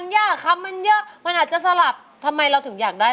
อยากได้ผิดคำนึงครับ